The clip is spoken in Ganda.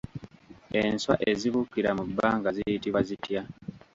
Enswa ezibuukira mu bbanga ziyitibwa zitya?